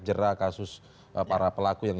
jera kasus para pelaku yang